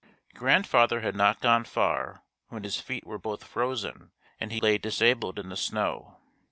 Grandfather had not gone far when his feet were both frozen and he lay disabled in the snow.